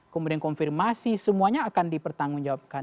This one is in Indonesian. kemudian konfirmasi semuanya akan dipertanggung jawabkan